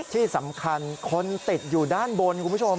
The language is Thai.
ที่สำคัญคนติดอยู่ด้านบนคุณผู้ชม